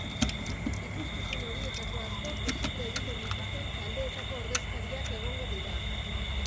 Ikuskizun horietako asko posible egiten dituzten taldeetako ordezkariak egongo dira.